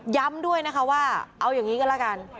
ย้ำด้วยนะคะว่าเอาอย่างนี้ก็แล้วกัน